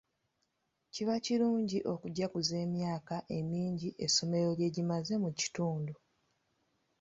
Kiba kirungi okujaguza emyaka emingi essomero lye gimaze mu kitundu.